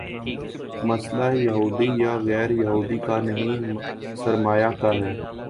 مسئلہ یہودی یا غیر یہودی کا نہیں، سرمائے کا ہے۔